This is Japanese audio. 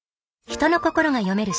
人の心が読める